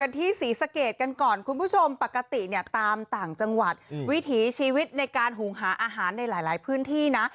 ที่ศรีสะเกดกันก่อนคุณผู้ชมปกติเนี่ยตามต่างจังหวัดวิถีชีวิตในการหุงหาอาหารในหลายพื้นที่นะ